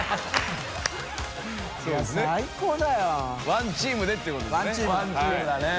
ワンチームでっていうことですね